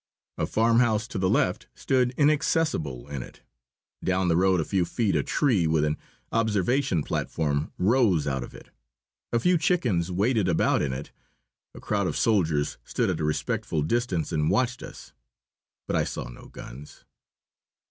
A farmhouse to the left stood inaccessible in it. Down the road a few feet a tree with an observation platform rose out of it. A few chickens waded about in it. A crowd of soldiers stood at a respectful distance and watched us. But I saw no guns.